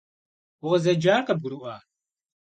Укъызэджар къыбгурыӏуа?